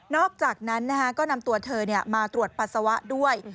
อกจากนั้นก็นำตัวเธอมาตรวจปัสสาวะด้วย